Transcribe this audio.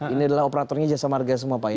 ini adalah operatornya jasa marga semua pak ya